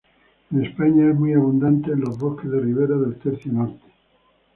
En España es muy abundante en los bosques de ribera del tercio norte.